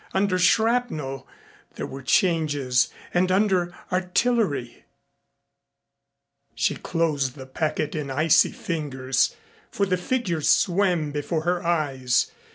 Under "shrapnel" there were changes, and under "artillery" She closed the packet in icy fingers, for the figures swam before her eyes.